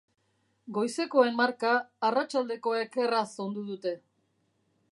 Goizekoen marka arratsaldekoek erraz ondu dute.